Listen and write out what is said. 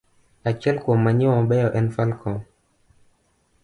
Achiel kuom manyiwa mabeyo en Falcon